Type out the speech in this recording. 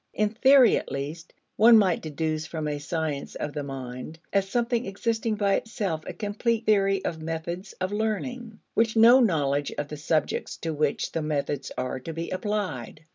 In theory, at least, one might deduce from a science of the mind as something existing by itself a complete theory of methods of learning, with no knowledge of the subjects to which the methods are to be applied.